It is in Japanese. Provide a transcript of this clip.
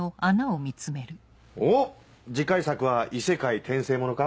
おっ次回作は異世界転生ものか？